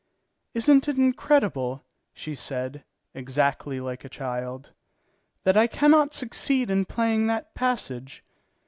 "Isn't it incredible," she said, exactly like a child, "that I can not succeed in playing that passage?